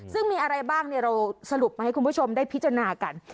ซึ่งมีอะไรบ้างเราสรุปมาให้คุณผู้ชมได้พิจารณากัน